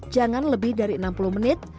jangan lebih dari enam puluh menit